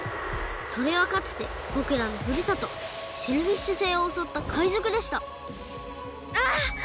それはかつてぼくらのふるさとシェルフィッシュ星をおそったかいぞくでしたああっ！